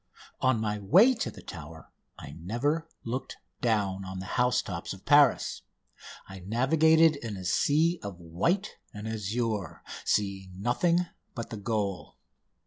On my way to the Tower I never looked down on the house tops of Paris: I navigated in a sea of white and azure, seeing nothing but the goal.